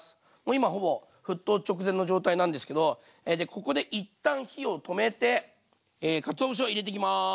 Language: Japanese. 今ほぼ沸騰直前の状態なんですけどここで一旦火を止めてかつお節を入れていきます。